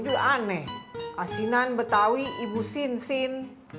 juga aneh asinan betawi ibu sinsin